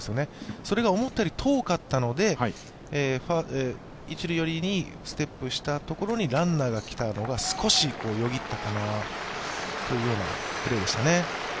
それが思ったより遠かったので一塁寄りにステップしたところにランナーが来たのが少しよぎったかなというようなプレーでしたね。